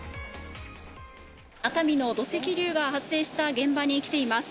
熱海の土石流が発生した現場に来ています。